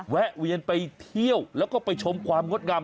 แวะเวียนไปเที่ยวแล้วก็ไปชมความงดงาม